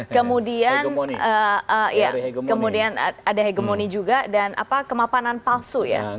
kemudian ada hegemoni juga dan kemapanan palsu ya